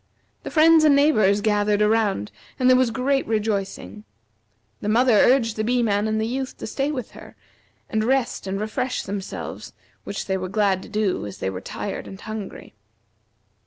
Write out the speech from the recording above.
The friends and neighbors gathered around and there was great rejoicing. The mother urged the Bee man and the Youth to stay with her, and rest and refresh themselves, which they were glad to do as they were tired and hungry.